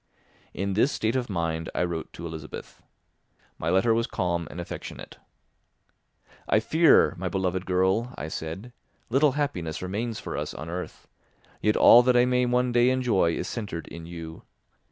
In this state of mind I wrote to Elizabeth. My letter was calm and affectionate. "I fear, my beloved girl," I said, "little happiness remains for us on earth; yet all that I may one day enjoy is centred in you.